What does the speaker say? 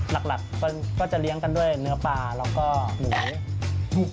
หลักก็จะเลี้ยงกันด้วยเนื้อปลาแล้วก็หมูลูก